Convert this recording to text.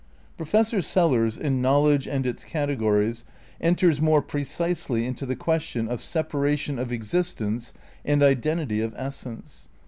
Professor Sellars in "Knowledge and its Cate gories" enters more precisely into the question of separation of existence and identity of essence.